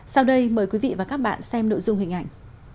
sau đây mời quý vị và các bạn xem nội dung hình ảnh